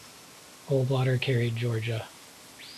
Goldwater carried Georgia.